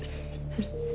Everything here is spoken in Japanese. はい。